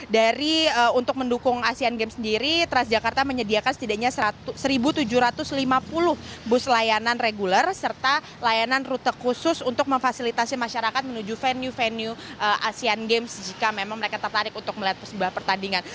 dari untuk mendukung asean games sendiri transjakarta menyediakan setidaknya satu tujuh ratus lima puluh bus layanan reguler serta layanan rute khusus untuk memfasilitasi masyarakat menuju venue venue asean games jika memang mereka tertarik untuk melihat sebuah pertandingan